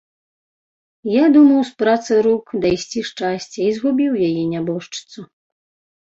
Я думаў з працы рук дайсці шчасця і згубіў яе, нябожчыцу.